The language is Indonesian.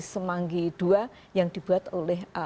semanggi ii yang dibuat oleh